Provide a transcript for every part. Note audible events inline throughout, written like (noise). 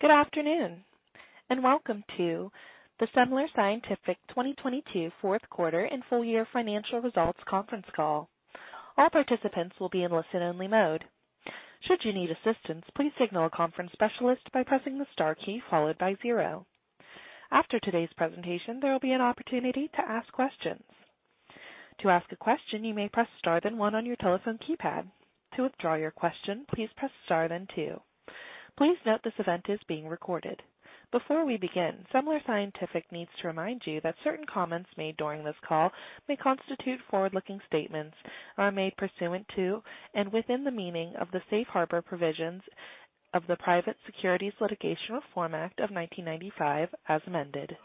Good afternoon, welcome to the Semler Scientific 2022 fourth quarter and full year financial results conference call. All participants will be in listen-only mode. Should you need assistance, please signal a conference specialist by pressing the star key followed by zero. After today's presentation, there will be an opportunity to ask questions. To ask a question, you may press star then one on your telephone keypad. To withdraw your question, please press star then two. Please note this event is being recorded. Before we begin, Semler Scientific needs to remind you that certain comments made during this call may constitute forward-looking statements are made pursuant to and within the meaning of the Safe Harbor provisions of the Private Securities Litigation Reform Act of 1995 as amended.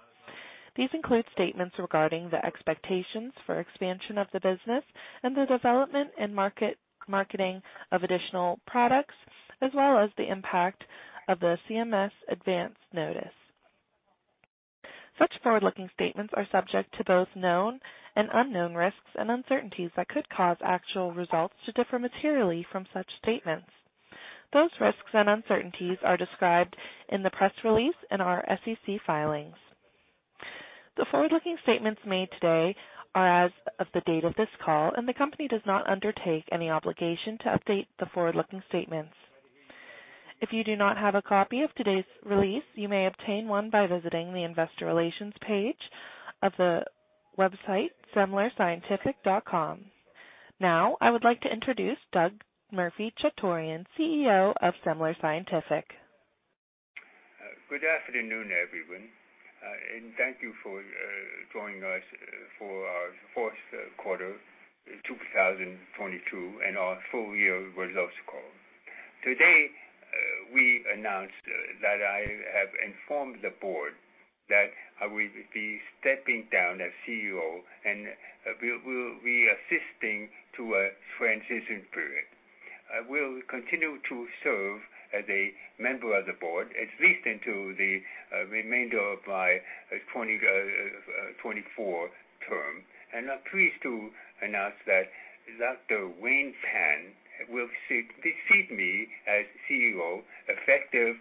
These include statements regarding the expectations for expansion of the business and the development and marketing of additional products, as well as the impact of the CMS advance notice. Such forward-looking statements are subject to both known and unknown risks and uncertainties that could cause actual results to differ materially from such statements. Those risks and uncertainties are described in the press release and our SEC filings. The forward-looking statements made today are as of the date of this call. The company does not undertake any obligation to update the forward-looking statements. If you do not have a copy of today's release, you may obtain one by visiting the investor relations page of the website semlerscientific.com. Now I would like to introduce Doug Murphy-Chutorian, CEO of Semler Scientific. Good afternoon, everyone, thank you for joining us for our fourth quarter 2022 and our full year results call. Today, we announce that I have informed the board that I will be stepping down as CEO, and we'll be assisting to a transition period. I will continue to serve as a member of the board, at least until the remainder of my 2024 term. I'm pleased to announce that Dr. Wayne Pan will succeed me as CEO, effective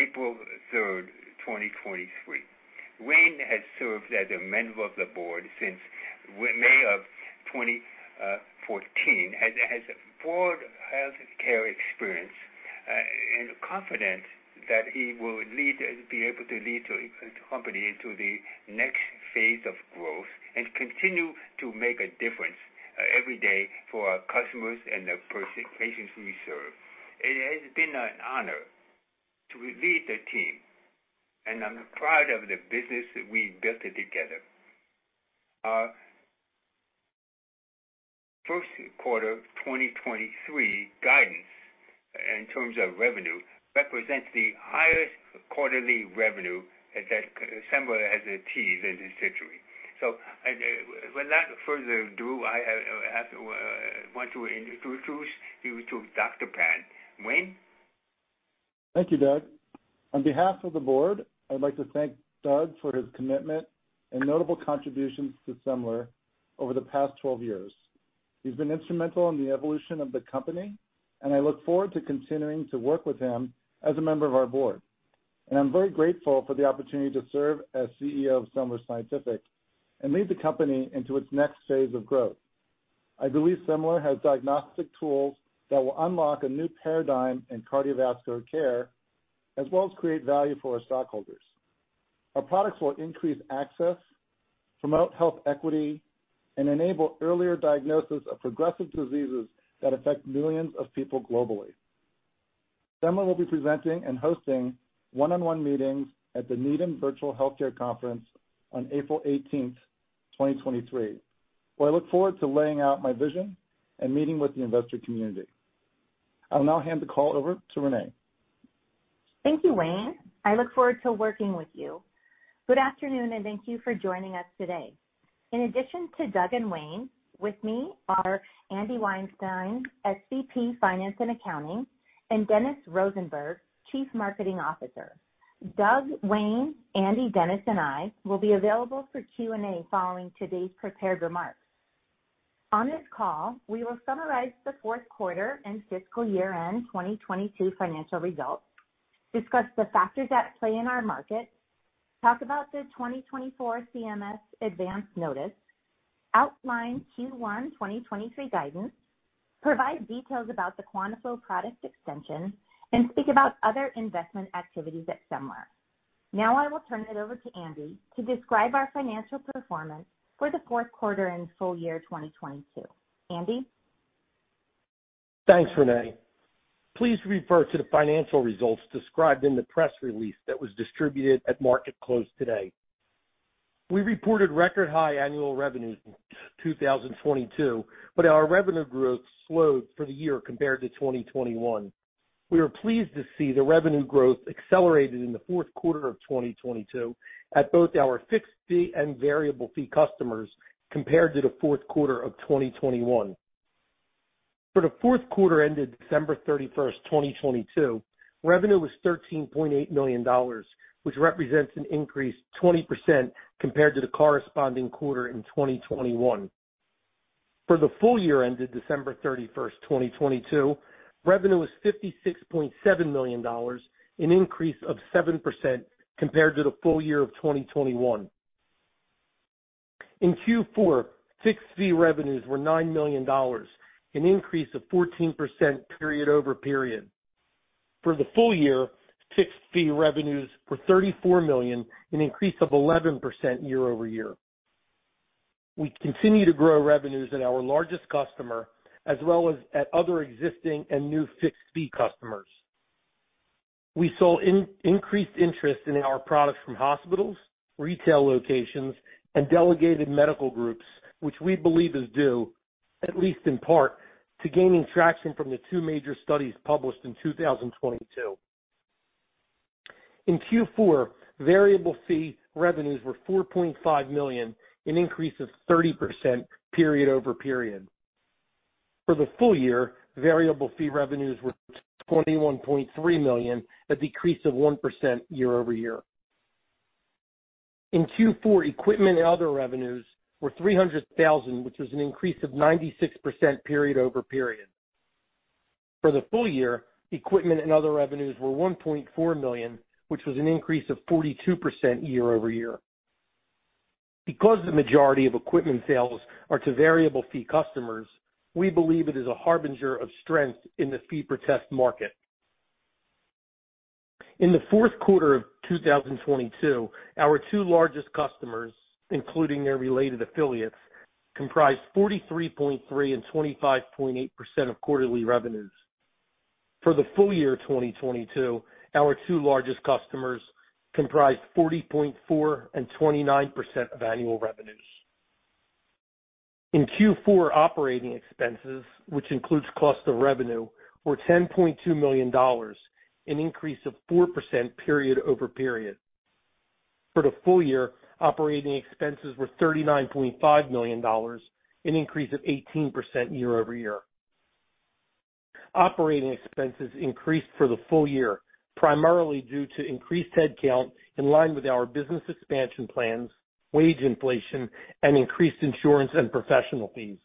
April 3rd, 2023. Wayne has served as a member of the board since May of 2014 and has broad healthcare experience and confident that he will lead and be able to lead the company into the next phase of growth and continue to make a difference every day for our customers and the patients we serve. It has been an honor to lead the team, and I'm proud of the business that we built together. Our first quarter 2023 guidance in terms of revenue represents the highest quarterly revenue that Semler has achieved in this century. Without further ado, I want to introduce you to Dr. Pan. Wayne? Thank you, Doug. On behalf of the board, I'd like to thank Doug for his commitment and notable contributions to Semler over the past 12 years. He's been instrumental in the evolution of the company. I look forward to continuing to work with him as a member of our board. I'm very grateful for the opportunity to serve as CEO of Semler Scientific and lead the company into its next phase of growth. I believe Semler has diagnostic tools that will unlock a new paradigm in cardiovascular care, as well as create value for our stockholders. Our products will increase access, promote health equity, and enable earlier diagnosis of progressive diseases that affect millions of people globally. Semler will be presenting and hosting one-on-one meetings at the Needham Virtual Healthcare Conference on April 18th, 2023, where I look forward to laying out my vision and meeting with the investor community. I'll now hand the call over to Renae. Thank you, Wayne. I look forward to working with you. Good afternoon, and thank you for joining us today. In addition to Doug and Wayne, with me are Andy Weinstein, SVP, Finance and Accounting, and Dennis Rosenberg, Chief Marketing Officer. Doug, Wayne, Andy, Dennis, and I will be available for Q&A following today's prepared remarks. On this call, we will summarize the fourth quarter and fiscal year-end 2022 financial results, discuss the factors at play in our market, talk about the 2024 CMS advance notice, outline Q1 2023 guidance, provide details about the QuantaFlo product extension, and speak about other investment activities at Semler. I will turn it over to Andy to describe our financial performance for the fourth quarter and full year 2022. Andy? Thanks, Renae. Please refer to the financial results described in the press release that was distributed at market close today. We reported record high annual revenue in 2022, our revenue growth slowed for the year compared to 2021. We were pleased to see the revenue growth accelerated in the fourth quarter of 2022 at both our fixed fee and variable fee customers compared to the fourth quarter of 2021. For the fourth quarter ended December 31st, 2022, revenue was $13.8 million, which represents an increase 20% compared to the corresponding quarter in 2021. For the full year ended December 31st, 2022, revenue was $56.7 million, an increase of 7% compared to the full year of 2021. In Q4, fixed fee revenues were $9 million, an increase of 14% period-over-period. For the full year, fixed fee revenues were $34 million, an increase of 11% year-over-year. We continue to grow revenues at our largest customer as well as at other existing and new fixed-fee customers. We saw increased interest in our products from hospitals, retail locations, and delegated medical groups, which we believe is due, at least in part, to gaining traction from the two major studies published in 2022. In Q4, variable fee revenues were $4.5 million, an increase of 30% period-over-period. For the full year, variable fee revenues were $21.3 million, a decrease of 1% year-over-year. In Q4, equipment and other revenues were $300,000, which was an increase of 96% period-over-period. For the full year, equipment and other revenues were $1.4 million, which was an increase of 42% year-over-year. Because the majority of equipment sales are to variable fee customers, we believe it is a harbinger of strength in the fee per test market. In the fourth quarter of 2022, our two largest customers, including their related affiliates, comprised 43.3% and 25.8% of quarterly revenues. For the full year 2022, our two largest customers comprised 40.4% and 29% of annual revenues. In Q4, operating expenses, which includes cost of revenue, were $10.2 million, an increase of 4% period-over-period. For the full year, operating expenses were $39.5 million, an increase of 18% year-over-year. Operating expenses increased for the full year, primarily due to increased headcount in line with our business expansion plans, wage inflation, and increased insurance and professional fees.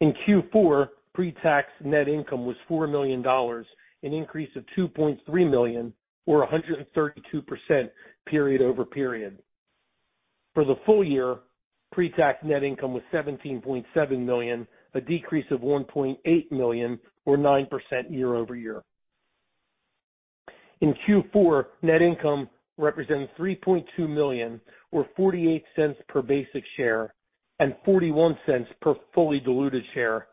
In Q4, pre-tax net income was $4 million, an increase of $2.3 million or 132% period-over-period. For the full year, pre-tax net income was $17.7 million, a decrease of $1.8 million or 9% year-over-year. In Q4, net income represented $3.2 million or $0.48 per basic share and $0.41 per fully diluted share,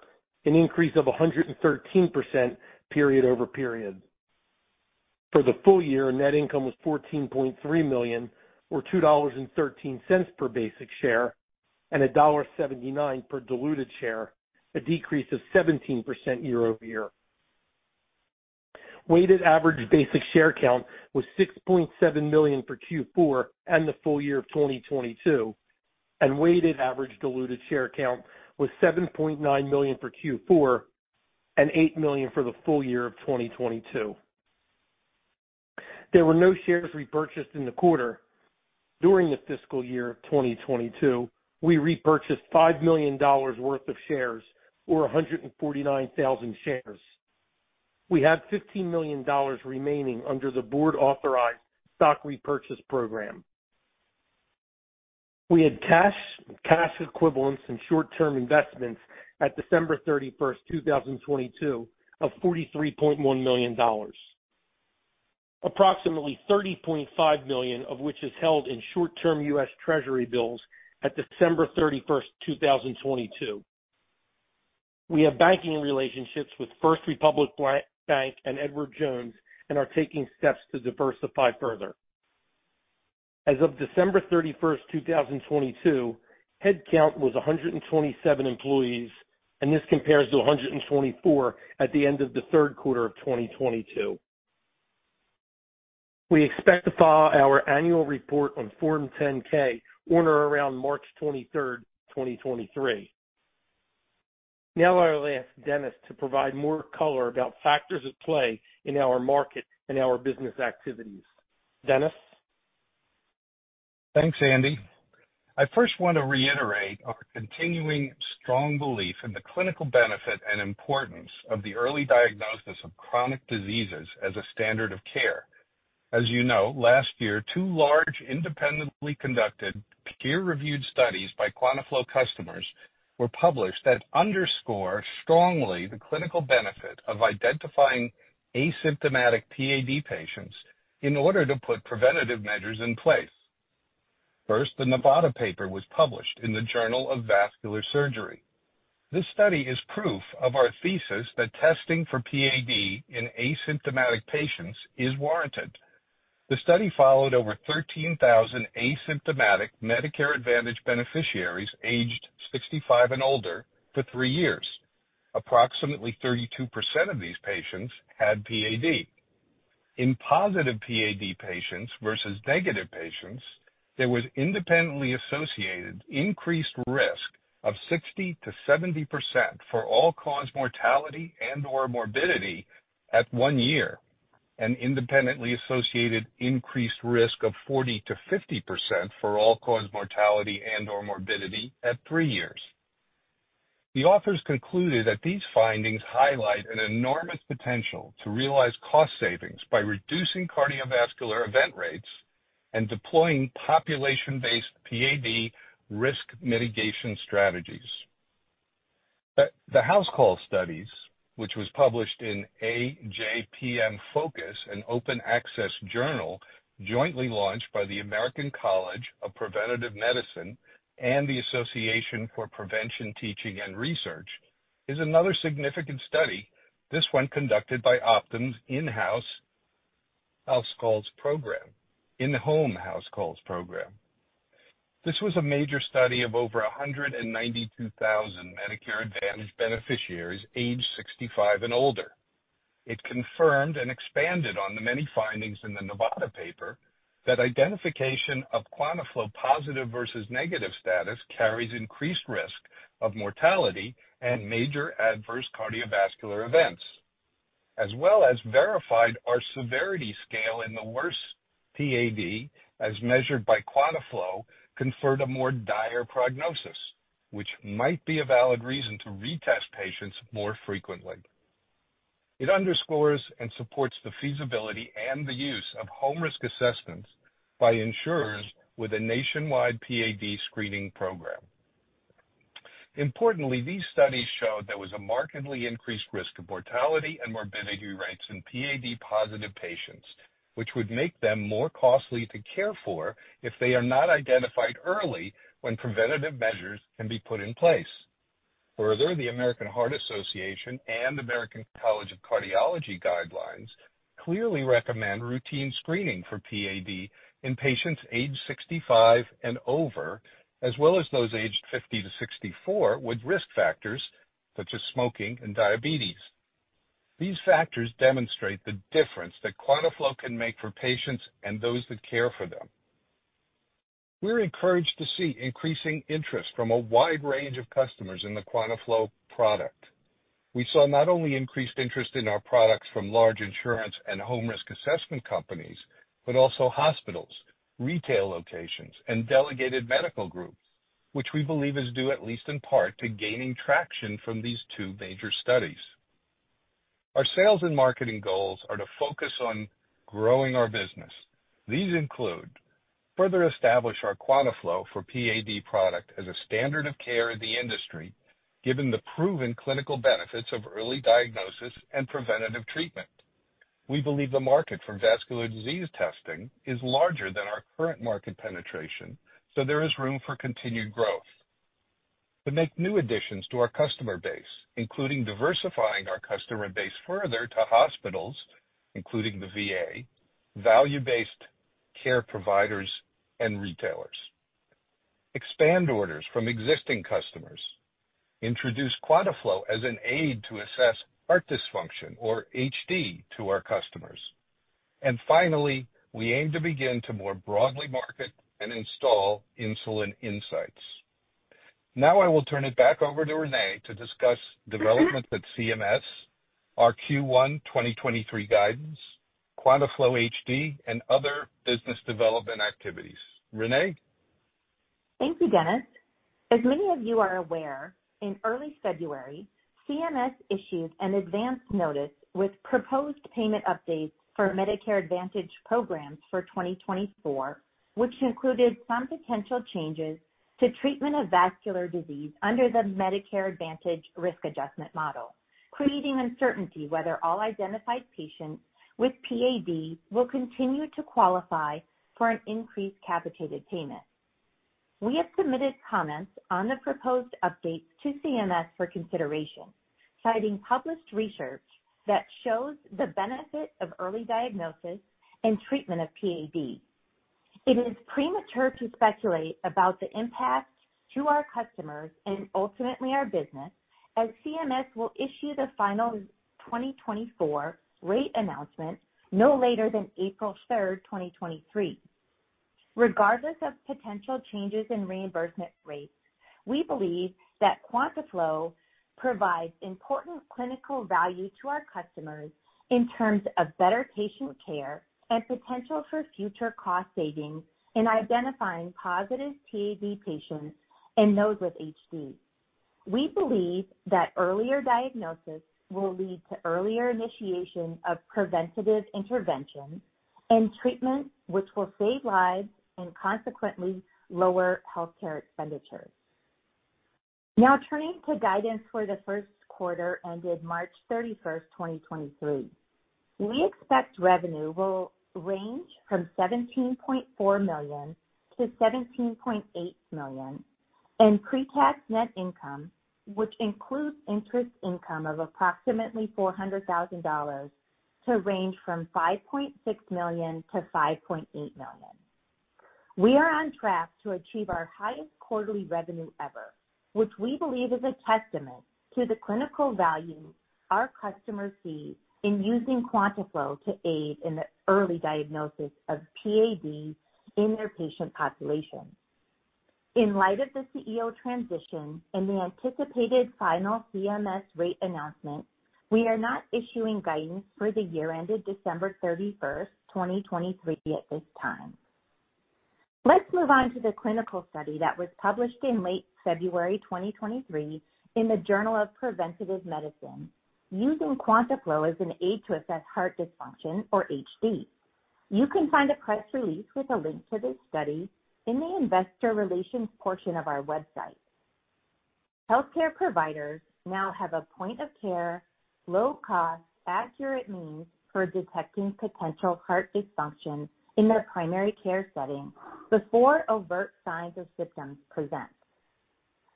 an increase of 113% period-over-period. For the full year, net income was $14.3 million or $2.13 per basic share and $1.79 per diluted share, a decrease of 17% year-over-year. Weighted average basic share count was 6.7 million for Q4 and the full year of 2022, and weighted average diluted share count was 7.9 million for Q4 and 8 million for the full year of 2022. There were no shares repurchased in the quarter. During the fiscal year of 2022, we repurchased $5 million worth of shares or 149,000 shares. We have $15 million remaining under the board-authorized stock repurchase program. We had cash equivalents, and short-term investments at December 31st, 2022 of $43.1 million, approximately $30.5 million of which is held in short-term U.S. Treasury bills at December thirty-first, 2022. We have banking relationships with First Republic Bank and Edward Jones and are taking steps to diversify further. As of December 31st, 2022, headcount was 127 employees, and this compares to 124 at the end of the third quarter of 2022. We expect to file our annual report on Form 10-K on or around March 23rd, 2023. I will ask Dennis to provide more color about factors at play in our market and our business activities. Dennis? Thanks, Andy. I first want to reiterate our continuing strong belief in the clinical benefit and importance of the early diagnosis of chronic diseases as a standard of care. As you know, last year, two large independently conducted peer-reviewed studies by QuantaFlo customers were published that underscore strongly the clinical benefit of identifying asymptomatic PAD patients in order to put preventative measures in place. The Nevada paper was published in the Journal of Vascular Surgery. This study is proof of our thesis that testing for PAD in asymptomatic patients is warranted. The study followed over 13,000 asymptomatic Medicare Advantage beneficiaries aged 65 and older for three years. Approximately 32% of these patients had PAD. In positive PAD patients versus negative patients, there was independently associated increased risk of 60%-70% for all-cause mortality and/or morbidity at one year. Independently associated increased risk of 40%-50% for all-cause mortality and or morbidity at three years. The authors concluded that these findings highlight an enormous potential to realize cost savings by reducing cardiovascular event rates and deploying population-based PAD risk mitigation strategies. The House Calls studies, which was published in AJPM Focus, an open access journal jointly launched by the American College of Preventive Medicine and the Association for Prevention Teaching and Research, is another significant study, this one conducted by Optum's in-home house calls program. This was a major study of over 192,000 Medicare Advantage beneficiaries aged 65 and older. It confirmed and expanded on the many findings in the Nevada paper that identification of QuantaFlo positive versus negative status carries increased risk of mortality and major adverse cardiovascular events, as well as verified our severity scale in the worst PAD, as measured by QuantaFlo, conferred a more dire prognosis, which might be a valid reason to retest patients more frequently. It underscores and supports the feasibility and the use of home risk assessments by insurers with a nationwide PAD screening program. Importantly, these studies showed there was a markedly increased risk of mortality and morbidity rates in PAD positive patients, which would make them more costly to care for if they are not identified early when preventative measures can be put in place. Further, the American Heart Association and American College of Cardiology guidelines clearly recommend routine screening for PAD in patients aged 65 and over, as well as those aged 50 to 64 with risk factors such as smoking and diabetes. These factors demonstrate the difference that QuantaFlo can make for patients and those that care for them. We're encouraged to see increasing interest from a wide range of customers in the QuantaFlo product. We saw not only increased interest in our products from large insurance and home risk assessment companies, but also hospitals, retail locations, and delegated medical groups, which we believe is due, at least in part, to gaining traction from these two major studies. Our sales and marketing goals are to focus on growing our business. These include further establish our QuantaFlo for PAD product as a standard of care in the industry, given the proven clinical benefits of early diagnosis and preventative treatment. We believe the market for vascular disease testing is larger than our current market penetration, so there is room for continued growth. To make new additions to our customer base, including diversifying our customer base further to hospitals, including the VA, value-based care providers, and retailers. Expand orders from existing customers. Introduce QuantaFlo as an aid to assess heart dysfunction or HD to our customers. Finally, we aim to begin to more broadly market and install Insulin Insights. Now I will turn it back over to Renae to discuss developments at CMS, our Q1 2023 guidance, QuantaFlo HD, and other business development activities. Renae? Thank you, Dennis. As many of you are aware, in early February, CMS issued an advance notice with proposed payment updates for Medicare Advantage programs for 2024, which included some potential changes to treatment of vascular disease under the Medicare Advantage risk adjustment model, creating uncertainty whether all identified patients with PAD will continue to qualify for an increased capitated payment. We have submitted comments on the proposed updates to CMS for consideration, citing published research that shows the benefit of early diagnosis and treatment of PAD. It is premature to speculate about the impact to our customers and ultimately our business, as CMS will issue the final 2024 rate announcement no later than April 3rd, 2023. Regardless of potential changes in reimbursement rates, we believe that QuantaFlo provides important clinical value to our customers in terms of better patient care and potential for future cost savings in identifying positive PAD patients and those with HD. We believe that earlier diagnosis will lead to earlier initiation of preventative interventions and treatments which will save lives and consequently lower healthcare expenditures. Now turning to guidance for the first quarter ended March 31st, 2023. We expect revenue will range from $17.4 million-$17.8 million, and pre-tax net income, which includes interest income of approximately $400,000, to range from $5.6 million-$5.8 million. We are on track to achieve our highest quarterly revenue ever, which we believe is a testament to the clinical value our customers see in using QuantaFlo to aid in the early diagnosis of PAD in their patient population. In light of the CEO transition and the anticipated final CMS rate announcement, we are not issuing guidance for the year ended December 31st, 2023 at this time. Let's move on to the clinical study that was published in late February 2023 in the Journal of Preventive Medicine. Using QuantaFlo as an aid to assess heart dysfunction, or HD. You can find a press release with a link to this study in the investor relations portion of our website. Healthcare providers now have a point of care, low cost, accurate means for detecting potential heart dysfunction in their primary care setting before overt signs or symptoms present.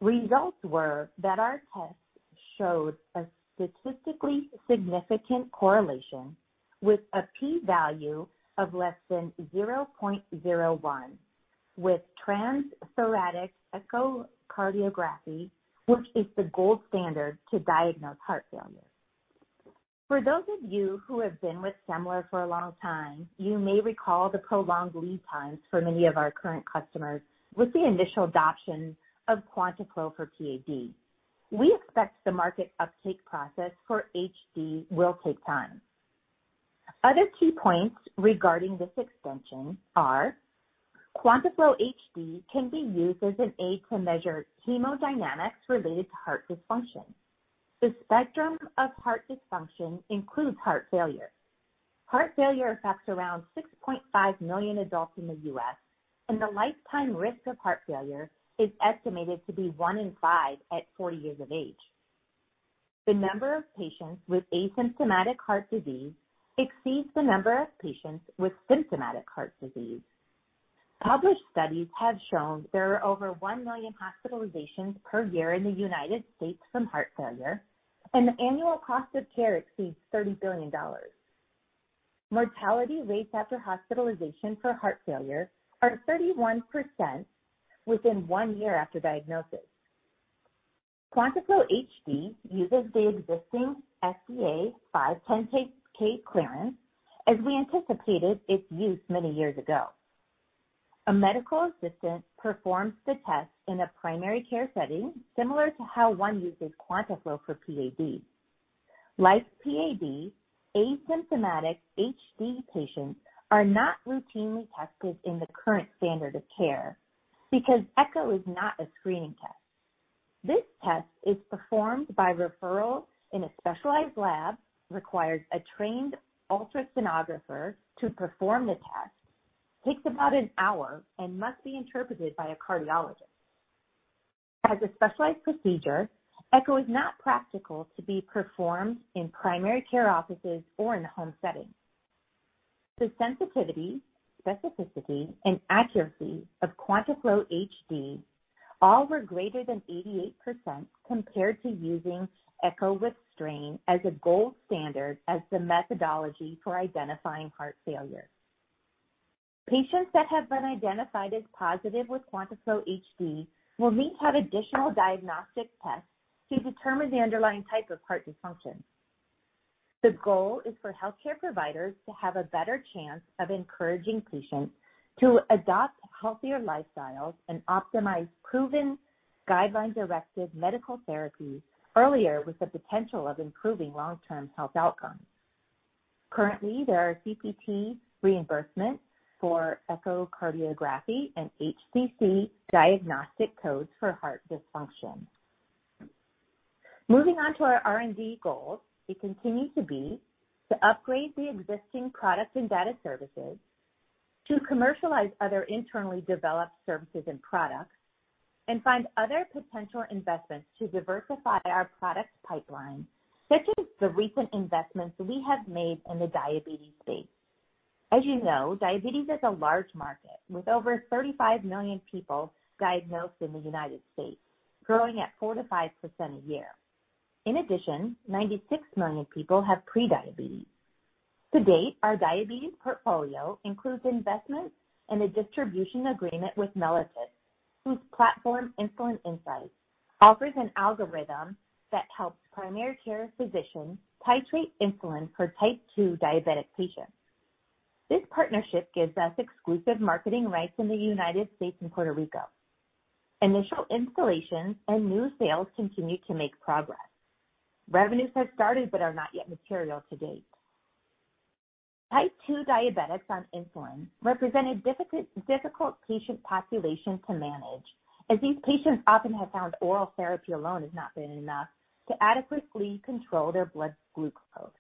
Results were that our tests showed a statistically significant correlation with a P value of less than 0.01 with transthoracic echocardiography, which is the gold standard to diagnose heart failure. For those of you who have been with Semler for a long time, you may recall the prolonged lead times for many of our current customers with the initial adoption of QuantaFlo for PAD. We expect the market uptake process for HD will take time. Other key points regarding this extension are QuantaFlo HD can be used as an aid to measure hemodynamics related to heart dysfunction. The spectrum of heart dysfunction includes heart failure. Heart failure affects around 6.5 million adults in the U.S., and the lifetime risk of heart failure is estimated to be one in five at 40 years of age. The number of patients with asymptomatic heart disease exceeds the number of patients with symptomatic heart disease. Published studies have shown there are over one million hospitalizations per year in the U.S. from heart failure, and the annual cost of care exceeds $30 billion. Mortality rates after hospitalization for heart failure are 31% within one year after diagnosis. QuantaFlo HD uses the existing FDA 510K clearance, as we anticipated its use many years ago. A medical assistant performs the test in a primary care setting, similar to how one uses QuantaFlo for PAD. Like PAD, asymptomatic HD patients are not routinely tested in the current standard of care because echo is not a screening test. This test is performed by referral in a specialized lab, requires a trained ultrasonographer to perform the test, takes about an hour, and must be interpreted by a cardiologist. As a specialized procedure, echo is not practical to be performed in primary care offices or in the home setting. The sensitivity, specificity, and accuracy of QuantaFlo HD all were greater than 88% compared to using echo with strain as a gold standard as the methodology for identifying heart failure. Patients that have been identified as positive with QuantaFlo HD will have additional diagnostic tests to determine the underlying type of heart dysfunction. The goal is for healthcare providers to have a better chance of encouraging patients to adopt healthier lifestyles and optimize proven guideline-directed medical therapies earlier, with the potential of improving long-term health outcomes. Currently, there are CPT reimbursement for echocardiography and HCC diagnostic codes for heart dysfunction. Moving on to our R&D goals. They continue to be to upgrade the existing products and data services, to commercialize other internally developed services and products, and find other potential investments to diversify our product pipeline, such as the recent investments we have made in the diabetes space. As you know, diabetes is a large market with over 35 million people diagnosed in the United States, growing at 4%-5% a year. In addition, 96 million people have prediabetes. To date, our diabetes portfolio includes investments and a distribution agreement with Mellitus, whose platform, Insulin Insights, offers an algorithm that helps primary care physicians titrate insulin for type 2 diabetic patients. This partnership gives us exclusive marketing rights in the U.S. and Puerto Rico. Initial installations and new sales continue to make progress. Revenues have started, but are not yet material to date. Type two diabetics on insulin represent a difficult patient population to manage, as these patients often have found oral therapy alone has not been enough to adequately control their blood glucose.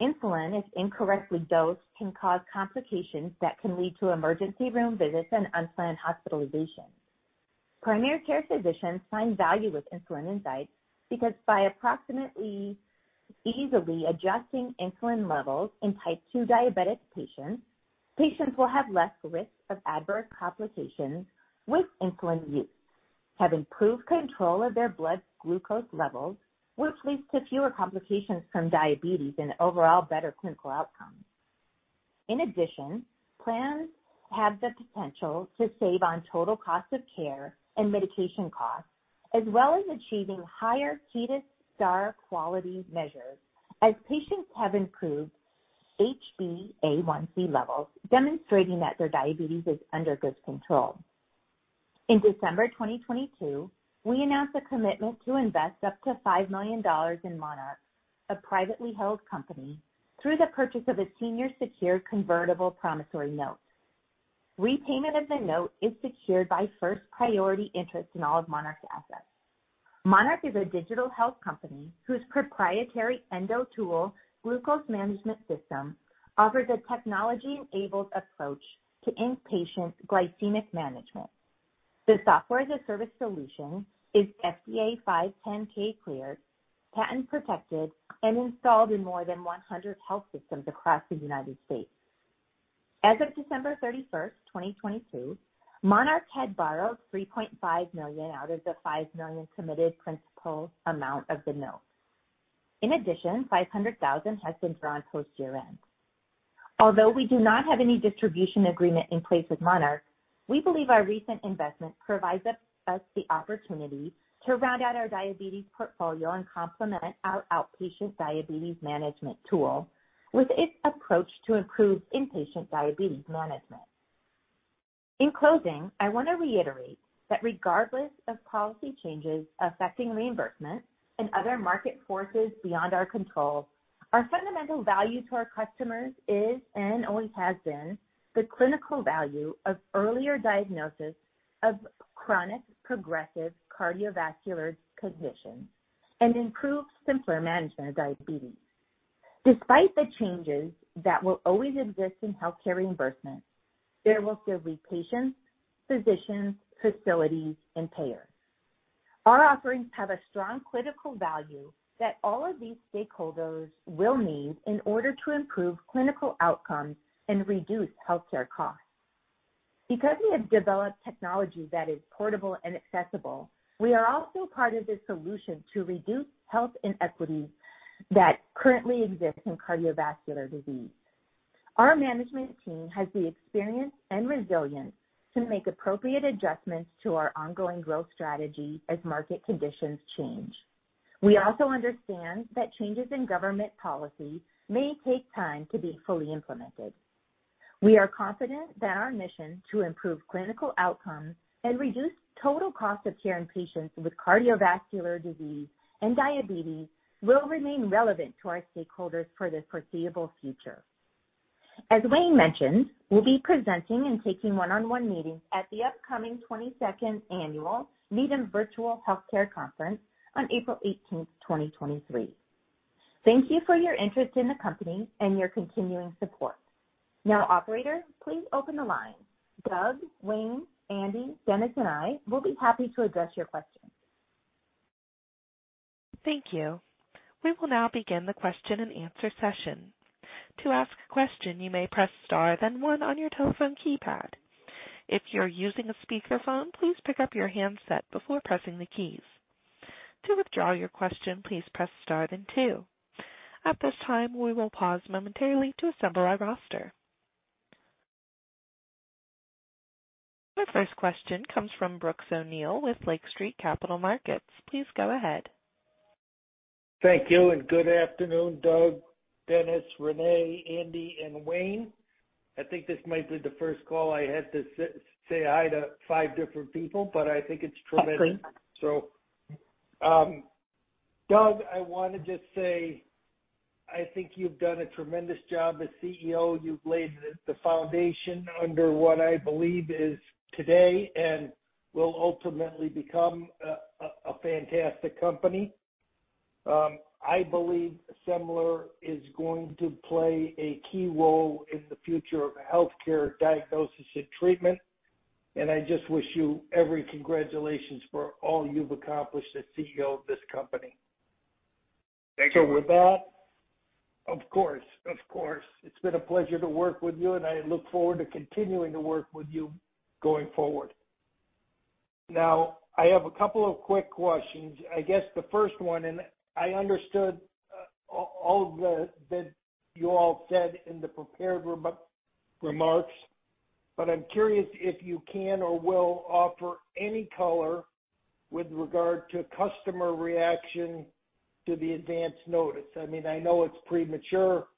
Insulin, if incorrectly dosed, can cause complications that can lead to emergency room visits and unplanned hospitalizations. Primary care physicians find value with Insulin Insights because by approximately easily adjusting insulin levels in type two diabetic patients will have less risk of adverse complications with insulin use, have improved control of their blood glucose levels, which leads to fewer complications from diabetes and overall better clinical outcomes. In addition, plans have the potential to save on total cost of care and medication costs, as well as achieving higher HEDIS star quality measures, as patients have improved HbA1c levels, demonstrating that their diabetes is under good control. In December 2022, we announced a commitment to invest up to $5 million in Monarch, a privately held company, through the purchase of a senior secured convertible promissory note. Repayment of the note is secured by first priority interest in all of Monarch's assets. Monarch is a digital health company whose proprietary EndoTool glucose management system offers a technology-enabled approach to inpatient glycemic management. The software-as-a-service solution is FDA 510K cleared, patent protected, and installed in more than 100 health systems across the United States. As of December 31st, 2022, Monarch had borrowed $3.5 million out of the $5 million committed principal amount of the note. $500,000 has been drawn post year-end. Although we do not have any distribution agreement in place with Monarch, we believe our recent investment provides us the opportunity to round out our diabetes portfolio and complement our outpatient diabetes management tool with its approach to improve inpatient diabetes management. In closing, I want to reiterate that regardless of policy changes affecting reimbursement and other market forces beyond our control, our fundamental value to our customers is and always has been the clinical value of earlier diagnosis of chronic progressive cardiovascular conditions and improved simpler management of diabetes. Despite the changes that will always exist in healthcare reimbursement, there will still be patients, physicians, facilities, and payers. Our offerings have a strong clinical value that all of these stakeholders will need in order to improve clinical outcomes and reduce healthcare costs. Because we have developed technology that is portable and accessible, we are also part of the solution to reduce health inequities that currently exist in cardiovascular disease. Our management team has the experience and resilience to make appropriate adjustments to our ongoing growth strategy as market conditions change. We also understand that changes in government policy may take time to be fully implemented. We are confident that our mission to improve clinical outcomes and reduce total cost of care in patients with cardiovascular disease and diabetes will remain relevant to our stakeholders for the foreseeable future. As Wayne mentioned, we'll be presenting and taking one-on-one meetings at the upcoming 22nd Annual Needham Virtual Healthcare Conference on April 18th, 2023. Thank you for your interest in the company and your continuing support. Operator, please open the line. Doug, Wayne, Andy, Dennis, and I will be happy to address your questions. Thank you. We will now begin the question-and-answer session. To ask a question, you may press star then one on your telephone keypad. If you're using a speakerphone, please pick up your handset before pressing the keys. To withdraw your question, please press star then two. At this time, we will pause momentarily to assemble our roster. Our first question comes from Brooks O'Neil with Lake Street Capital Markets. Please go ahead. Thank you. Good afternoon, Doug, Dennis, Renae, Andy, and Wayne. I think this might be the first call I had to say hi to five different people, but I think it's tremendous. Doug, I wanna just say, I think you've done a tremendous job as CEO. You've laid the foundation under what I believe is today and will ultimately become a fantastic company. I believe Semler is going to play a key role in the future of healthcare diagnosis and treatment. I just wish you every congratulations for all you've accomplished as CEO of this company. Thank you. With that. Of course. Of course. It's been a pleasure to work with you, and I look forward to continuing to work with you going forward. Now, I have a couple of quick questions. I guess the first one, and I understood all of that you all said in the prepared remarks, but I'm curious if you can or will offer any color with regard to customer reaction to the advance notice. I mean, I know it's premature.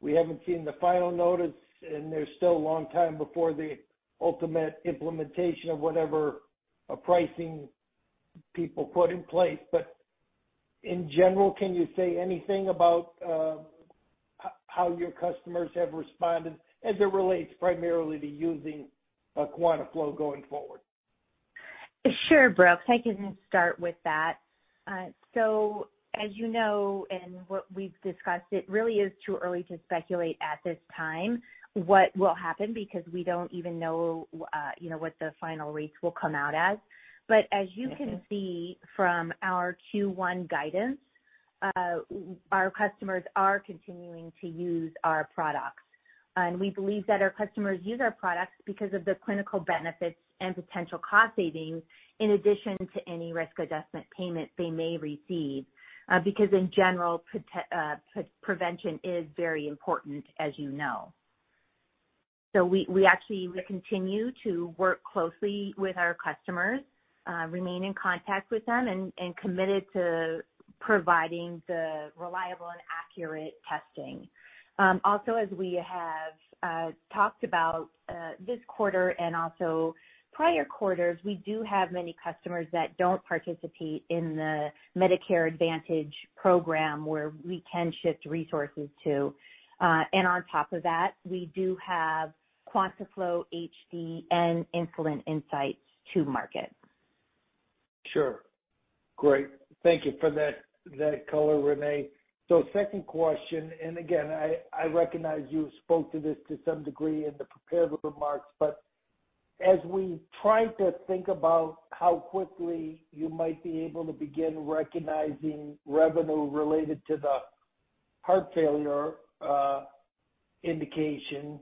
We haven't seen the final notice, and there's still a long time before the ultimate implementation of whatever pricing people put in place. In general, can you say anything about how your customers have responded as it relates primarily to using QuantaFlo going forward? Sure, Brooks. I can start with that. As you know and what we've discussed, it really is too early to speculate at this time what will happen because we don't even know you know, what the final rates will come out as. As you can see from our Q1 guidance, our customers are continuing to use our products. We believe that our customers use our products because of the clinical benefits and potential cost savings in addition to any risk adjustment payment they may receive, because in general, pre-prevention is very important, as you know. We actually will continue to work closely with our customers, remain in contact with them and committed to providing the reliable and accurate testing. Also, as we have talked about, this quarter and also prior quarters, we do have many customers that don't participate in the Medicare Advantage program, where we can shift resources to. On top of that, we do have QuantaFlo HD and Insulin Insights to market. Sure. Great. Thank you for that color, Renae. Second question, and again, I recognize you spoke to this to some degree in the prepared remarks, but as we try to think about how quickly you might be able to begin recognizing revenue related to the heart failure indication,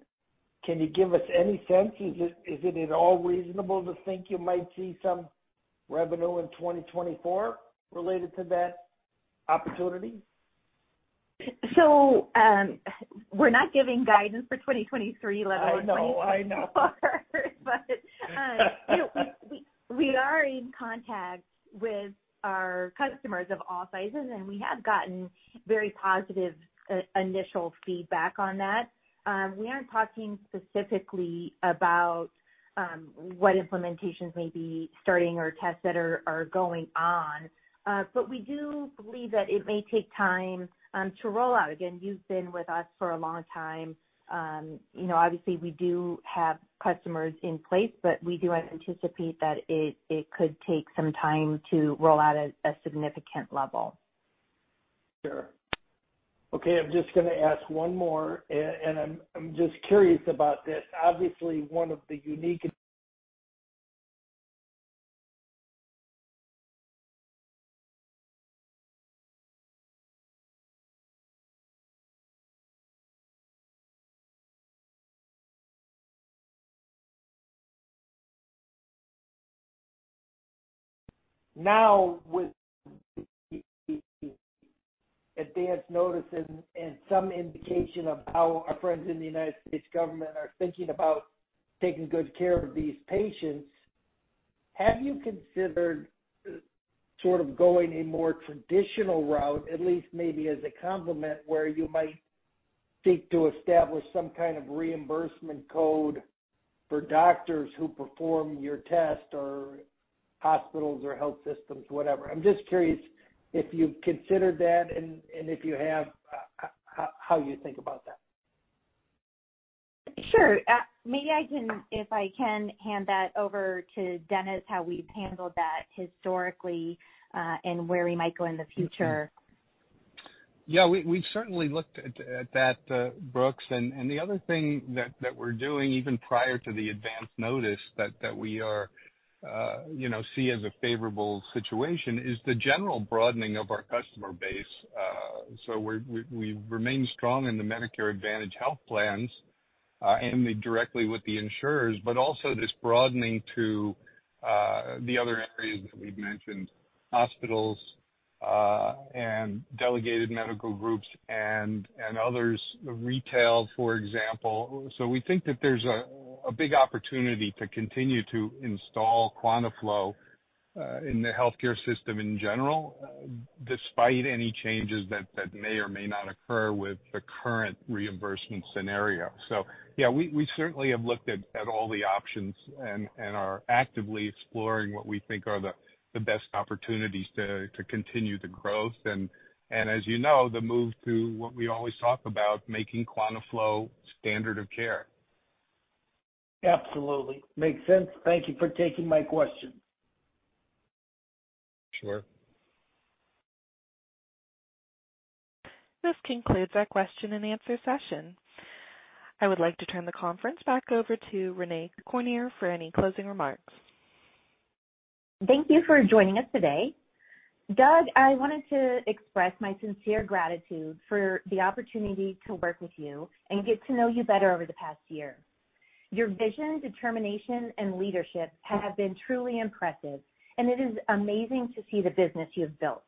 can you give us any sense? Is it at all reasonable to think you might see some revenue in 2024 related to that opportunity? We're not giving guidance for 2023, let alone. (crosstalk) I know, I know. You know, we are in contact with our customers of all sizes, and we have gotten very positive initial feedback on that. We aren't talking specifically about what implementations may be starting or tests that are going on. We do believe that it may take time to roll out. Again, you've been with us for a long time. You know, obviously we do have customers in place, but we do anticipate that it could take some time to roll out at a significant level. Sure. Okay, I'm just gonna ask one more, and I'm just curious about this. Obviously, one of the unique... Now with the advanced notice and some indication of how our friends in the U.S. government are thinking about taking good care of these patients, have you considered sort of going a more traditional route, at least maybe as a complement, where you might seek to establish some kind of reimbursement code for doctors who perform your test or hospitals or health systems, whatever? I'm just curious if you've considered that and if you have, how you think about that. Sure. maybe if I can hand that over to Dennis, how we've handled that historically, and where we might go in the future. Yeah. We've certainly looked at that, Brooks. The other thing that we're doing even prior to the advance notice that we are, you know, see as a favorable situation is the general broadening of our customer base. We remain strong in the Medicare Advantage health plans and directly with the insurers, but also this broadening to the other areas that we've mentioned, hospitals, and delegated medical groups and others, retail, for example. We think that there's a big opportunity to continue to install QuantaFlo in the healthcare system in general, despite any changes that may or may not occur with the current reimbursement scenario. Yeah, we certainly have looked at all the options and are actively exploring what we think are the best opportunities to continue the growth. As you know, the move to what we always talk about, making QuantaFlo standard of care. Absolutely. Makes sense. Thank you for taking my question. Sure. This concludes our question and answer session. I would like to turn the conference back over to Renae Cormier for any closing remarks. Thank you for joining us today. Doug, I wanted to express my sincere gratitude for the opportunity to work with you and get to know you better over the past year. Your vision, determination, and leadership have been truly impressive, and it is amazing to see the business you have built.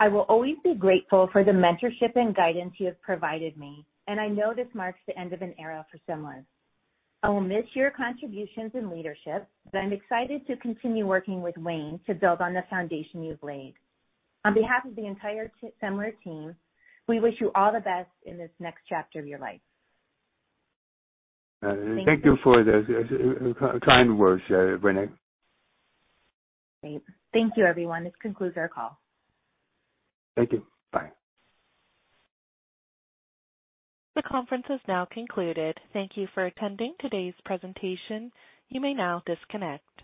I will always be grateful for the mentorship and guidance you have provided me, and I know this marks the end of an era for Semler. I will miss your contributions and leadership, but I'm excited to continue working with Wayne to build on the foundation you've laid. On behalf of the entire Semler team, we wish you all the best in this next chapter of your life. Thank you. Thank you for those kind words, Renae. Great. Thank you everyone. This concludes our call. Thank you. Bye. The conference has now concluded. Thank you for attending today's presentation. You may now disconnect.